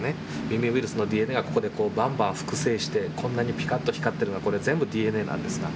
ミミウイルスのＤＮＡがここでばんばん複製してこんなにピカッと光っているのは全部ＤＮＡなんですが。